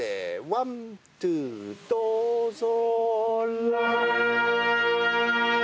ワンツーどうぞ